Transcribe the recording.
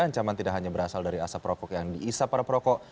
ancaman tidak hanya berasal dari asap rokok yang diisap para perokok